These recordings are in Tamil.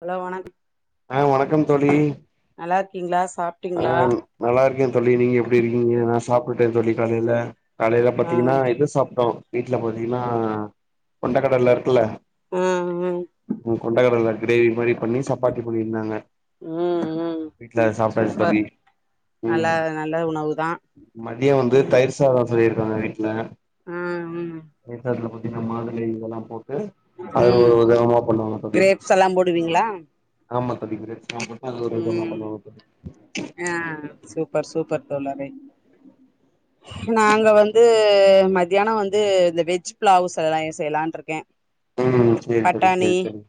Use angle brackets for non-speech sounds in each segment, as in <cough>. ஹலோ வணக்கம் ஆ வணக்கம் தோழி இருக்கீங்களா ஆ சாப்ட்டீங்களா நல்லா இருக்கே தோழி நீங்க எப்டி இருக்கீங்க நா சாப்டுட்டே தோழி காலேல காலேல ஆ ஆ பாத்தீங்கனா இது சாப்ட்டோ வீட்ல பாத்தீங்கனா கொண்டக்கடல இருக்குல்ல ஆ ம் உ கொண்டக்கடல கிரேவி மாரி பண்ணி சப்பாத்தி பண்ணியிருந்தாங்க ம் வீட்ல சாப்டாச்சு சூப்பர் தோழி நல்லா உம் நல்ல உணவு தா மதியோ வந்து ம் தயிர்சாதம் சொல்லிருக் காங்க வீட்ல ஆ ம் சத்துல பாத்தீங்கனா மாதுளை இதெல்லா போட்டு அது ஒரு ம் விதமா பண்ணுவாங்க தோழி கிரேப்ஸ் எல்லா போடுவீங்களா ஆமா தம்பி பிரதஸ் அது ஒரு விதமா ம் பண்ணுவாங்க ஆ சூப்பர் சூப்பர் தோழரே நாங்க வந்து மத்தியான வந்து இந்த வெஜ் பிளாவ்ஸ் எல்லா செய்யலானு இருக்கே ம் சேரி தோழி பட்டாணி சேரி தோழி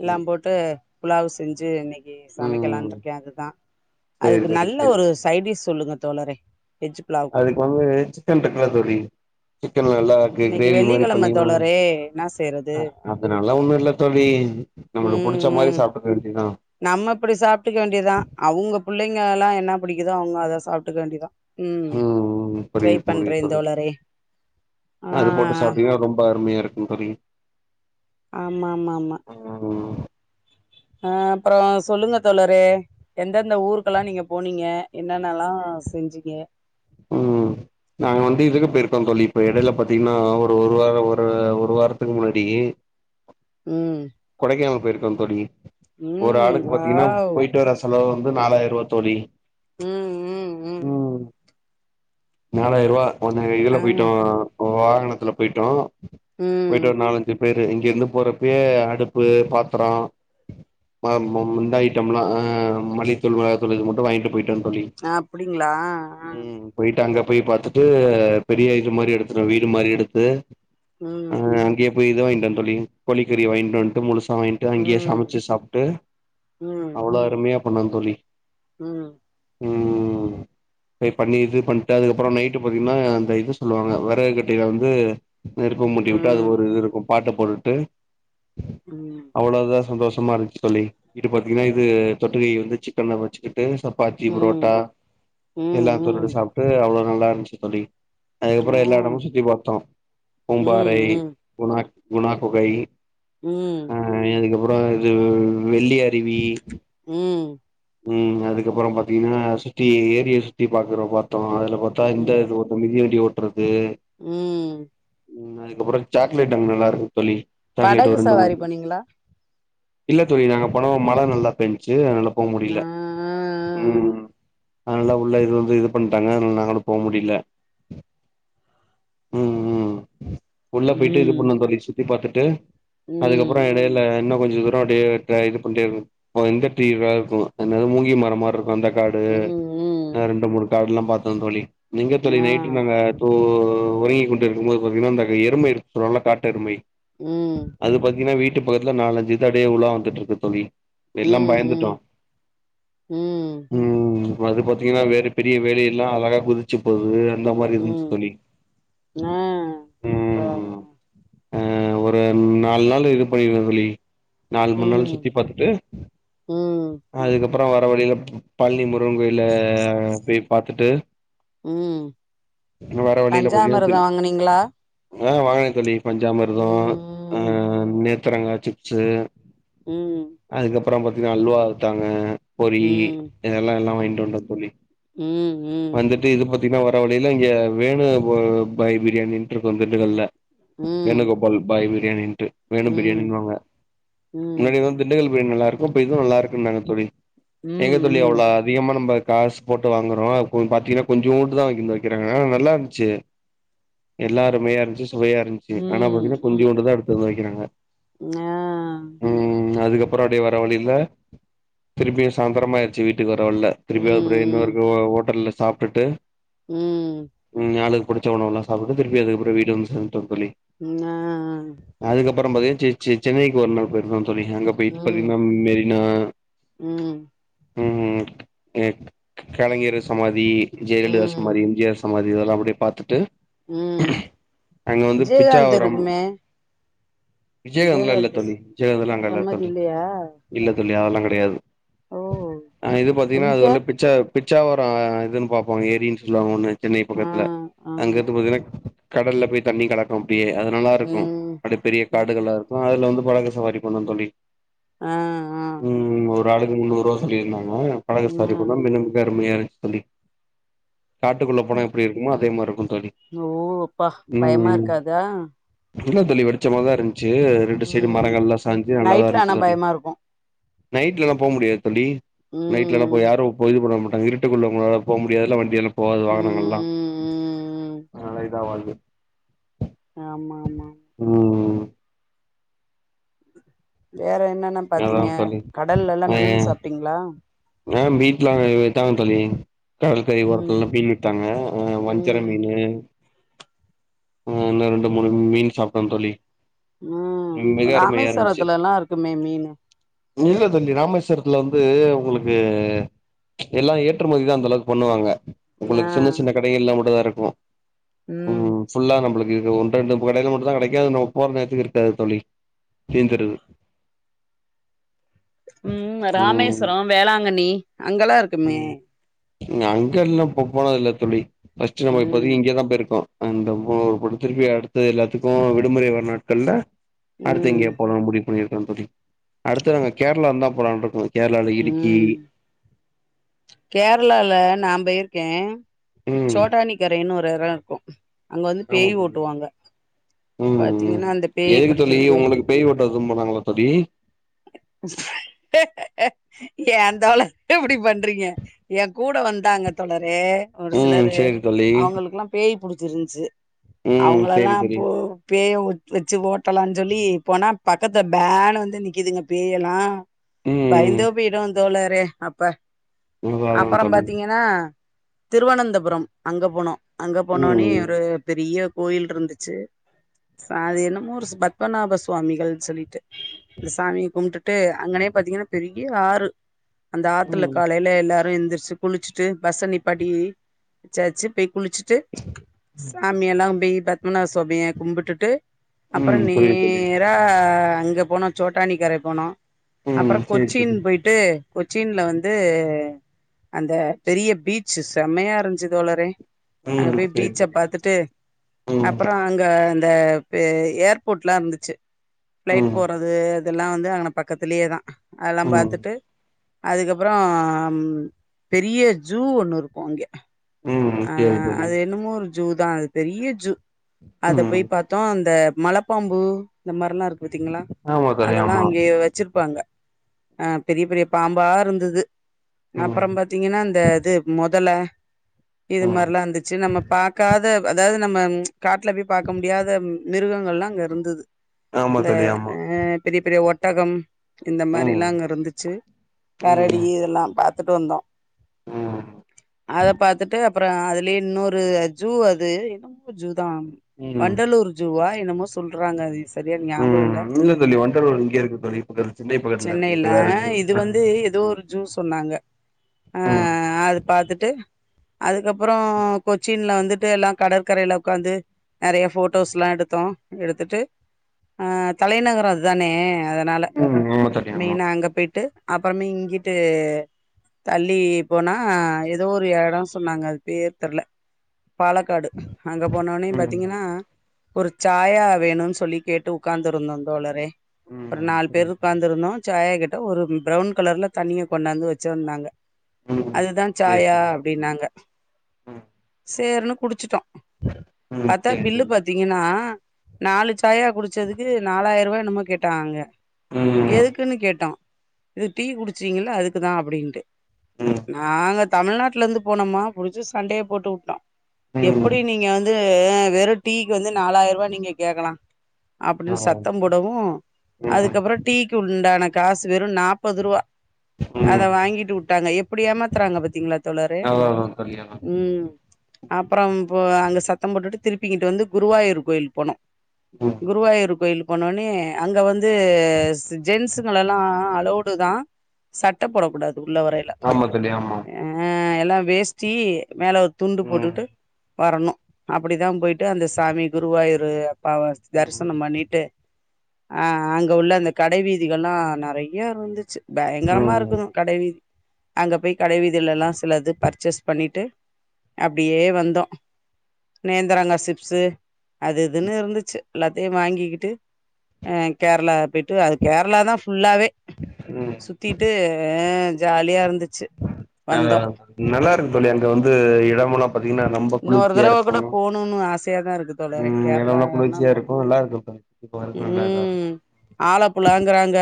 எல்லா ம் போட்டு புலாவ் செஞ்சு இன்னை ம் சமைக்கலான் இருக்கே அதுதா சேரி அதுக்கு தோழி நல்ல சேரி ஒரு சைடிஸ் சொல்லுங்க தோழரே வெஜ்ப் அதுக்கு வந்து சிக்கன் டிருக்குள்ளா தோழி சிக்கன் நல்லா இருக்கு இன்னைக்கு கிரேவி மாரி வெள்ளிக்கிழம பண்ணிங்ன தோழரே என்ன செய்யறது அதுனாலா ஒண்ணும் இல்ல தோழி நம்மளுக்கு ம் புடிச்ச மாரி ம் சாப்டுக்க வேண்டியதுதா நம்ம இப்டி சாப்டுக்க வேண்டிய தா அவுங்க புள் பிள்ளைங்க அததெல்லா என்ன புடிக்குதோ அவுங்க அத சாப்டுக்க வேண்டிதா ம் ம் புரிது புரிது தோழி தோழரே ஆ அது போட்டு சாப்டீங்கன்னா ரொம்ப அருமையா இருக்கும் தோழி ஆமா மாமா ம் ஆ அப்பறோ சொல்லுங்க தோழரே எந்தெந்த ஊருக்கெல்லா நீங்க போனீங்க என்னன்னலா செஞ்சீங்க ம் நாங்க வந்து இதுக்கு போயிருக்கோ தோழி இப்ப எடெல பாத்தீங்னா ஒரு ஒரு வாரோ ஒரு வாரத்துக்கு முன்னாடி ம் கொடைக்கானல் போய்ரு நம் தோலி ஒரு ம் ஆளுக்கு பாத்தீங்கனா வாவ் போய்ட்டு வர செலவு வந் து நாலாயிர ரூவா தோழி ம் ம் ம் நாலாயிர ரூவா ஒன்னு இதுல ஆ போய்டோ வாகனத்துல பேய்ட்டோ ம் போய்ட்டு ஒரு நாலஞ்சுப் பேரு இங்க இருந்து போறப்யே அடுப்பு பாத்ரோ ம மெம் இந்த ஐட்டம்லா ஆ மல்லித்தூள் மெளகாதூள் இது மட்டும் வாங்கிட்டு பேய்டன் அப்டிங்ளா அ டகப் போய் பாத்துட்டு பெரிய இது மாரி எடுத்துட்டோ வீடு மாரி எடுத்து ஆ ம் அங்கேயே போய் இது வாயின்டோ தோழி கோழிக்கறிய வாயின்ட்டு வன்ட்டு முழுசு வாங்கிட்டு அங்யே ம் சமைச்சு சாப்ட்டு ம் அவ்ளோ அருமையப் பண்ண தோழி ம் ம் ம் ம் போய் பண்ணி இது பண் அதுக்கப்பறோ நைட்டு பாத்தீங்னா அந்த இது சொல்வாங்க வறகு கட்டைல வந்து நெருப்பு முட்டி ம் வுட்டு அது ஒரு இது இருக்கும் பாட்ட போட்டுட்டு ம் அவ்ளோ தா சந்தோஷ் சம்மா இருந்துச்சு தோழி இது பாத்தீங்கன்னா இது தொட்டுக்க இது வந்து சிக்கன வச்சுட் டு சப்பாத்தி ம் புரோட்டா ம் எல்லாத்தோடடு ம் சாப் எவ்ளோ நல்லா இருந்துச்சு தோழி ஆ அதுக்கப்புறோ எல்லா எடமு சுத்தி பாத்தோ ம் பூம்பாறை ம் குணா குணா குகை ம் ஆ அதுக்கப்புறோ இது வெள்ளி அருவி ம் ம் அதுக்கப்புறம் பாத்தீங்கன்னா சுத்தி ஏரிய சுத்தி பாக்குற பாத்தோ அதுல பாத்தா ம் இந்த இது ஒரு மிதி வண்டி ஓ ஓட்டுறது ம் அதுக்கப்றோ சாக்லேட் அங்க நல்லா இருக்கு தோழி சாக்லேட் படகு ஒரு ரெண்டு சவாரி மூணு போனீங்களா இல்ல தோழி நாங்க போனோ மழ நல்லா பேஞ்ச்சு அதனால ஆ போமுடியல ம் அதனால உள்ள இது வந்து இது பண்ட்டாங்க அதனால நாங்களு போக முடில ம் ம் உள்ள போய்ட்டு இது ம் பண்ணோ <unintelligible> சுத்தி பாத்து ட்டு அதுக்கப்புறோ ம் எடைல இன்னு கொஞ் ச தூரோ அப்டியே ட இது பண்ட்டே இருக்கணு ஆ இந்த டீ அதாவ்து ம என்னது மூங்கில் மரோ மார இருக்கு அந்த காடு ம் ம் ஆ ரெண்டு மூணு காடெல்லா பாத்தோ தோழி நீங்க தோழி ஆ நைட்டு நாங்க தூ உறங்கிக் கொண்டு இருக்கும்போது பாத்தீங்கன்னா இந்த எருமை இருக் சொல்வாங்கல்ல காட்டு எருமை ம் அது பாத்தீங்கன்னா வீட் டு பக்கத்துல நாலஞ்சு இது அப்டியே உலா வந்துட்ருக்கு தோழி எல்லா ம் பயந்துட்டோ ம் ம் ம் அது பாத்தீங்கன்னா வேலி பெரிய வேலி எல்லா அழகா குதிச்சு போகுது அந்த மாரி இருந்துச்சு ம் தோழி ஆ ம் சரிங்க அ ஒரு நாலு நாள் இது பண்ணிரு சொல்லி நாலு மூணு நாள்ல ம் சுத்தி பாத்துட்டு ம் அதுக்கப்புறம் வர வழில பழனி மு ருகன் கோயில போய் பார்த்துட்டு ம் வர வழியில பஞ்சாமிரதம் பாத்தீங்கனா வாங்குனீங்களா ஆ வாங்கினேன் தோழி பஞ்சாமிருதம் ஆ ம் நே ந்தரங்கா சிப்ஸ்ஸு ம் அப்புறம் பாத்ததினா அல்வா தாங்க பொறி ம் இதெல்லாம் எல்லாம் ம் வாங்கிட்டு வந்டேன் தோழி ம் ம் வந்துட்டு இது னா வர வலியில இங்க வேணு பாய் பிரியாணட்டு இருக்கும் திண்டுகல்ல வேணு கோபால் பாய் <unintelligible> ம் வேணும் ம் பிரியாணின் வாங்க ம் முன்னாடிலா திண்டுக்கல் நல்லாருக்கும் இது நல்லாருக் சரிதான தோழி எங்க ம் தோழி ம் அவ்ளோ அதிகமா நம்ம காசு போட்டு வாங்குறோம் அது கொஞ்சம் பாத்தீங்கன்னா கொஞ்சோண்டு தான் வைக்கனும்னு வைக்கிறாங்க ஆனா நல்லா இந்துச்சு எல்லாருமே அட்ஜஸ்ட் சுவையா இருந்துச்சு ஆனா ம் பாத்தீங்கனா கொஞ்சோண்டு ம் தான் அடுத்த வைக்கிறாங்க ஆ போறாடி வர வழியில திருபியும் சாந்திரமாயிச்சு வீட் க்கு வர வலியில திருவவேபுரை ம் இன்னொரு ஓட்டல்ல சாப்ட்டுட்டு ம் ம் ஆளுக்கு புடிச்ச உணவலாம் சாப்ட்டுட்டு திருப்பி அதுக்கப்புறம் வீடு வந்து சம ஆ அப்பறம் செ செ சென்னைக்கு ஒரு நாள் ம் போய்ருந்தோம் <unintelligible> இன்னா ம் ம் கலைஞர் சமாதி ஜெயலலிதா ம் சமாதி எம்ஜிஆர் சமாதி இதெல்லாம் அப்டே பாத்துட்டு ம் அங்க வந்து விஜயகாந்த்து இருக்குமே விஜயகாந்த்லாம் இல்ல விஜயகாந்த் தோழி விஜயகாந்தலாம் அங்க இல்ல சம்மதி தோழி இல்லையா இல்ல தோ இல்ல அதெல்லா கெடயாது ஓ ஆ இது பாத்தீங்கின்னா எம் அது ஜி வல்ல ஆர் பிச்சா பிச்சாவரம் இதுன்னு பாப்போ ஏரின்னு சொல்வாங்க ஒன்னு சென்னை ஆ பக்கத்துல ஆ அங்கிருந்து பாத்தீங்கன்னா கடல்ல போய் தண்ணி கலக்கும் அப்டியே அது நல்லா இருக்கும் ம் அதுப்பெரிய ம் காடுகளா இருக்கும் அதுல வந்து படகு சவாரி போனோம் தோழி ஆ ஆ ம் ரு ஆளுக்கு முன்னூறுவா சொல்லியிருந்தாங்க மோ ஆ படகுசவாரி போனுன்னு நின்னுந்த அருமையா இருந்துச்சு தோழி காட்டுக்குள்ள போனா எப்டி இருக்குமோ அதே மாரி இருக்கும் தோழி ஓ அப்பா ம் பயமா ம் இருக்காதா இல்ல தோழி வெளிச்சமா தான் இருந்து ச்சி ரெண்டு சைடு ம் மரங்கள்லாம் சாஞ்சி நல்லாதா நைட்ல இருந்துச்சி ஆனா தோழி பயமா இருக்கு நைட்ல எல்லாம் போ முடியாது தோழி நைட் எல்லாம் போயி ம் யாரும் போய் இது பண்ண மாட் டாங்க இருட்டுக்குள்ள மொதல போ முடியாதில்ல வண்டி எல்லா போவாது ம் ம் வாகனங்கள் எல்லாம் ம் இதா வால்யூம் ஆமா ஆமா <inaudible> வேற என் என்னன்ன அதா பாத்தீங்க தோழி கடல்ல எல்லா ஆ மீன் சாப்டீங்களா? ஆ வீட்ல அவுங்க இருக்காங்க தோழி கடற்கரை ஓரத்துல ம் எல்லா மீன் வித்தாங்க ஆ வஞ்சர ம் மீனு ஆ இன்னு ரெண்டு மூணு மீன் சாப்பிட்டே தோழி ம் மிக அருமையா இருந்துச்சு ராமேஸ்வரத்துலல்லா இருக்குமே மீனு இல்ல தோழி ராமேஸ்வரத்துல வந்து உங்களுக்கு எல்லா ஏற்றுமதிதா அந்த அளவுக்கு பண்ணுவாங்க ஆ உங்களுக்கு சின்ன சின்ன கடைகள்ல மட்டுந்தா இருக் அ ம் ஃபுல்லா நம்பளுக்கு இது ஒன்னு ரெண்டு ப கடைல மட்டுந்தா கெடைக்கு அது நம்ம போற நேரத்துக்கு இருக்காது தோழி தீந்துருது ம் ம் ராமேஸ்வரோ வேளாங்கண்ணி அங்கெல்லா இருக்குமே ம் அங்க எல்லா போ போனது இல்ல தோழி ஃபர்ஸ்ட்டு நம்ம ம் இப்போதைக்கி இங்கதா போயிருக்கோ அந்த ஒ ஒர்த்துருக்கு அடுத்து எல்லாத்துக்கு விடுமுறை வர்ற நாட்கள்ல அடுத்து ம் எங்கயா போலான்னு முடிவு பண்ணிரு <unintelligible> அடுத்து நாங்க கேரளாதா போலான்னு இருக்கோ கேரளால இடுக்கி ம் கேரளால நா போயிருக்கே ம் சோட்டானிக்கரைன்னு ஒ ரு எடோ இருக்கு அங்க வந்து ஆமா பேய் தோழி ஆமா ஓட்டுவாங்க ம் ம் பாத்தீங்கன்னா அந்த பேய் எதுக்கு தோழி புடிச்சிருக்கு உங்களுக்கு பேய் ஓட்ட எதும் போனாங்களா தோழி ஏந் தோழர் இப்டி பண்றீங்க ஏன் கூட வந்தாங்க தோழ ரே ஒரு ம் சிலரு சேரி தோழி அவங்களுக்கெல்லா பேய் புடிச் சிரிஞ்ச்சு ம் சேரி தோழி போ வச்சு ஓட்டலான்னு சொல்லி போனா பக்கத்துல பேனு வந்து நிக்கிதுங்க பேயேல்லா ம் பயந்தோ போய்ட்டோ தோழர் பே அப்ப ம் அப்பறம் தோழி பாத்தீங்கன்னா திருவனந்தபுரம் அங்க போனோம் அங்க போனா ஒன்னே ம் ஒரு பெரிய கோயில் இருந்துச்சி சா அது என்னமோ ஒரு பத்மநாப சுவாமிகள் சொல்லிட்டு இந்த சாமிய கும்பிட்டுட்டு அங்கனே பாத்தீங்கன்னா பெரிய ஆறு அந்த ஆத்துல ம் காலைல எல்லாரும் எந் திரிச்சி குளிச்சிட்டு பஸ நிப்பாட்டி வச்சாச்சி பேய் குளிச்சிட்டு சாமிய எல்லாம் அப்டே பத்மா நாத சுவாமிய கும்பட்டுட்டு ம் அப்பறம் புரியுது தோழி நேரா அங்க போனா சோட்டாணிக்கரை போனோம் ம் அப்பறம் சேரி கொச்சின் தோழி போய்ட்டு கொச்சின்ல வந்து அந்த பெரிய பீச்சு செமையா இருண்ச்சி தோழரே அங்க ம் போய் சேரி பீச்ச தோழி பாத்துட்டு ம் அப்பறம் அங்க இந்த பே ஏர்போட்லாம் இருந்துச்சி பிளைட் ம் போறது இதெல்லாம் வந்து அங்கன பக்கத்திலே தா அதல்லாம் ம் பாத்துட்டு அதுக்கப்புறம் பெரிய சூ ஒண்ணு இருக்கும் அங்கே ம் அ சேரி தோழி அது என்னமோ ஒரு ஜூ தா அது பெரிய ஜு அத ம் போயி பாத்தோ அந்த மலபாம்பு இந்த மார்லா இருக் யோத்திங்களா ஆமா தோழி அதெல்லா ஆமா அங்கே வச்சிரு கும் அங்க ஆ பெரிய பெரிய பாம்பா இருந்தது ம் அப்பறம் பாத்தீங்கன்னா இந்த து மொதல்ல இது ம் மாரிலா இந்துச்சு நம்ம பாக்காத அதாவது நம்ம ச்ச காட்ல போயி பாக்க முடியாத மிருகங்கள் லா அங்க இருந்துது ஆமா இந்த தோழி ஆமா ஆ பெரிய பெரிய ஓட் ட்டகம் இந்த மாரில்லா ம் அங்க இருந்துச்சி கரடி ம் இதெல்லா பா த்துட்டு வந்தா ம் அத பாத் அப்றோ அதுலயே இன்னொரு ஜூ அது என்னமோ ஜூ தா ம் வண்டலூர் ஜூவா ன்னமோ சொல்றாங்க அதிச் ம் இல்ல தோழி வண்டலூர் இங்க இருக்கு தோழி பக்க சென்னை பகத்துலதா இருக்கு சென்னையில இது வேற நியு இது வந்து ஏதோ ஒரு ஜூ சொன்னாங்க அ அது பாத்துட்டு அதுக்கப்புறோ கொச்சின்ல அந்துட்டு எல்லா கடற்கரையில உக்காந்து நெறைய போட்டோஸ் லா எடுத்தோ எடுத்துட்டு அ தலைநகரோ அதுதானே அதனால ம் ஆமா தோழி ஆமா மீனு அங்க போயிட்டு அப்புறமே இங்கிட்டு தள்ளி போனா ஏதோ ஒரு எ டோ சொன்னாங்க அது பேர் தெர்ல பாலக்காடு அங்க போனோனே ம் பாத்திங்கன்னா ஒரு சாயா வேணுன் சொல்லி கேட்டு உட்காந்துருந்தோ தோழரே ப்றோ ம் நால் பேர் புரியுது உகாந்துருந்தோ சாய கிட்ட ஒரு ப்ரவுன் கலர்ல தண்ணிய கொண்டாந்து வச்சிர்ந்தாங்க ம் அதுதா சேரி சாயா தோழி பினாங்க ம் சேர்னு குடிச்சுட்டோ ம் பத்தா சேரி பில்லு தோழி பாத்தீங்கன்னா நாலு ச சாயா குடிச்சதுக்கு நாலாயிர ரூவா நம்ம கேட்டாங்க ம் எதுக்குன்னு கேட்டோ இது டீ குடிச்சீங்களால்ல அதுக்குதா அப்பிடின்ட்டு ம் நாங்க தமிழ்நாட்டுலந்து போனோமா புடிச்சி சண்டையே போட்டுவுட்டோ எப்பிடி ம் நீங்க வந் ந்து வெறு டீக்கு வந்து நாலாயிரரூவா நீங்க கேக்கலா அப்பிடின்னு அதா சத்தோ போடவு ம் அதுக்கப்புறோ டீக்கு உ உண்டான காசு வெறு நாப்பது ரூவா அத ம் வாங்கிட்டுவுட்டாங்க எப்பிடி ஏமாத்துறாங்க பாத்தீங்களா தோழரே அதா அதா கல்யாணம் அப்புறோ போ அங்க சத்தம் போட்டுட்டு திருப்பிங்கிட்டு வந்து குருவாயூர் கோயில்போனோ ம் குருவாயிரு கோயில் போனோனே அங்க வந்து ஜென்ஸுங்கல்லா அலோடுதா சட்டை போடக்க கூடாது உள்ள வரையில ஆமா தோழி ஆமா ஆ எல்லாம் வேஸ்ட்டி மேல ஒரு துண்டு ம் போட்டுட்டு வரணு அப்பிடிதா போயிட்டு அந்த சாமி குருவாயூர் பவர் ம் தரிசனம் பண்ணிட்டு அ அங்க உள்ள அந்த கடை வீதிகல்லா நெறைய இருந்துச்சி பயங்கரமா ம் இருக்கணு கடை வீ அங்க போய் கடைவீதில்லா சிலது பர்ச்சஸ் பண்ணிட்டு அப்பிடியே வந்தோ நேந்திரங்கா சிப்ஸ் அது இதுன்னு இருந்துச்சி எல்லாத்தையு வாங்கிக்கிட்டு அ கேரளா பேட் ட்டு அது கேரளாதா ஃபுல்லாவே ம் சுத்திட்டு ஜாலியா இருந்து ச்சி வந்தோ நல்லா இருக்கு தோழி அங்க வந்து இடம்ல்லா பாத்தீங்கன்னா ரொம்ப இன்னொரு குளிர்ச்சியா தடவ இருக்கு கூட போணுன்னு ஆசையா தா இருக்கு தோழரே ம் எடல்லா கேரளானா குளிர்ச்சியா போனு இருக்கு நல்லா இருக்கு சுத்தி பாக்குறதுக்கு நல்லா இதா இருக்கு ம் ஆலப்புளாங்கறாங்க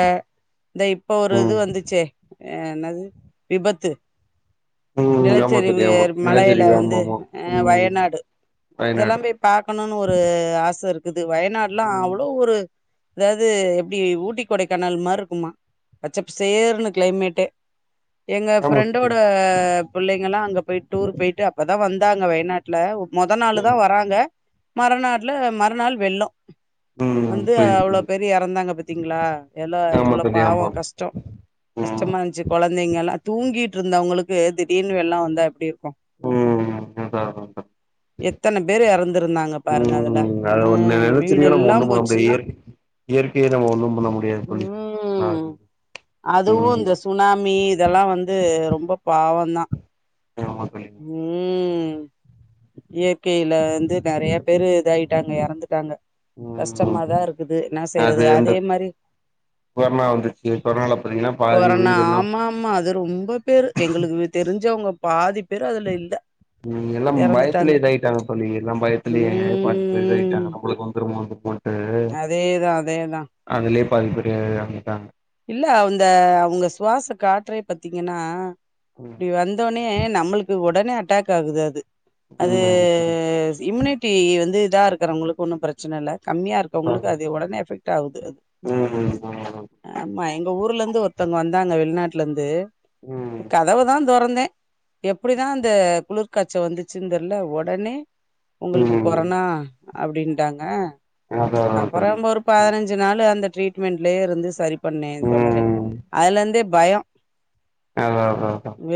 இந்த இப்போ ஒரு இது ம் வந்துசே ஏ என்னது விபத்து ம் ஆமா தோழி நிலச்சரிவு ஆமா மலையில நிலச்சரி வந்து ஆமா ஆமா அ ம் வயநாடு இதெல்லா வயநாடு போயி பாக்கணுன்னு ஒரு ஆச இருக் த் வயநாடுல்லா ம் அவ் ஒரு ஏதாவது எப்டி ஊட்டி கொடைக்கானல் மாரி இருக்குமா பச்சப்பசேல்னு கிளைமேட்டே எங்க ஆமா தோழி ஃப்ரெண்டோட பிள்ளைங்களா அங்க போயிட்டு ஊருக்கு போயிட்டு அப்பதா வந்தாங்க வயநாட்டுல மொத நாளுதா ம் வராங்க மறுநாட்ல மறுநாள் வெள்ளோ ம் வந்து புரியுது அவ்ளோ புரியுது பேரு எறந்தாங்க பத் பாத்தீங்ளா எல்லோ ஆமா இவ்ளோ தோழி பாவோ ஆமா கஷ்டோ ம் கஷ்டமா இருந்ச்சு கொழந்தைங்க எல்லா தூங்கிட்டு இருந்தவங்களுக்கு திடீர்னு வெல்லோ வந்தா எப்டி இரு ம் அதா அதா எத்தன பேரு எறந்திருந்தாங்க பாருங்க அதுல ம் அத ஒன்னு உம் நெலச்சரிவ நம்ம வீடெல்லா ஒண்ணு பண்ண போச்சு முடியாது இயற் இயற்கைய நம்ம ஒண்ணு பண்ண முடியாது தோழி உம் அதுவு ம் இந்த சுனாமி இதெல்லா வந்து ரொம்ப பாவந்தா ஆமா தோழி ம் இயற்கையில வந்து நெறய பேரு இதாயிட்டாங்க எறந்துட்டாங்க ம் கஷ்டமாதா இருக்குது என்ன செய்யுறது அது இந்த அதே மாரி கொரோனா வந்துச்சு கொரோனால பாத்தீங்கன்னா பாதி கொரனா உயிர் எல்லா ஆமா ஆமா அது ரொம்ப பேரு எங்களுக்கு தெரிஞ்சவுங்க பாதிப் உம் எல்லா எறந்துட்டாங்க பயத்துலேயே இதாயிட்டாங்க தோழி எல்லா பயத்துலயே பாத்து ம் இதாயிட்டாங்க நம்மளுக்கு வந்துறுமோனு அதேதா அதேதா அதுலே பாதிப்பேரு எறந்துட்டாங்க இல்ல அந்த அவுங்க சுவாச காற்றே பத்தீங்கன்னா ம் இப்டி வந்தோனே நம்மளுக்கு உட உடனே அட்டாக் ஆகுது அது அது ம் புரியுது இம்யூனிட்டி வந்து இதா இருக்குறவங்களுக்கு ஒன்னு பிரச்சன இல்ல கம்மியாருக்கவங்களுக்கு புரியுது அது உடனே எஃபெக்ட் ஆவுது அது ம் ஆமா எங்க ஊர்லந்து ஒருத்தவங்க வந்தாங்க வெளிநாட்லருந்து ம் கதவுதா தொறந்தே எப்டிதா அந்த குளிர்காச்ச வந்துச்சுனு தெரில ஒடனே ம் ஒங்களுக்கு ம் கொரனா அப்படின்ட்டாங்க அதா அதா அப்புறோ தோழி அங்க ஒரு பதினஞ்சு நாள் அந்த ட்ரிட்மெண்ட்லயே இருந்து சரி பண்ணே தோழரே அதுல இருந்து பயோ அத அத அத